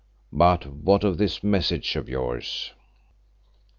But what of this message of yours?"